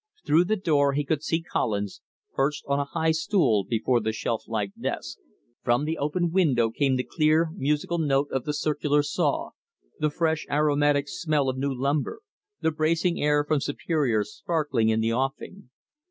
Through the door he could see Collins, perched on a high stool before the shelf like desk. From the open window came the clear, musical note of the circular saw, the fresh aromatic smell of new lumber, the bracing air from Superior sparkling in the offing.